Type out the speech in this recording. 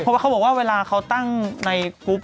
เพราะว่าเขาบอกว่าเวลาเขาตั้งในกรุ๊ป